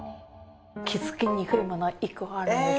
気付くにくいもの１個あるんです。